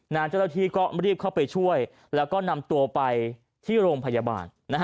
เจ้าหน้าที่ก็รีบเข้าไปช่วยแล้วก็นำตัวไปที่โรงพยาบาล